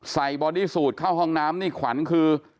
บอดี้สูตรเข้าห้องน้ำนี่ขวัญคือ